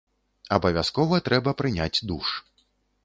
Абавязкова трэба прыняць душ.